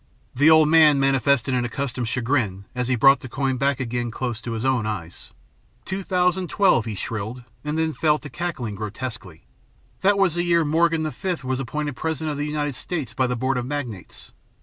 The old man manifested an accustomed chagrin as he brought the coin back again close to his own eyes. "2012," he shrilled, and then fell to cackling grotesquely. "That was the year Morgan the Fifth was appointed President of the United States by the Board of Magnates.